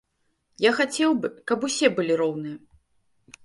Я хацеў бы, каб усе былі роўныя.